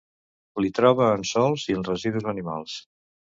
L'hi troba en sòls i en residus animals.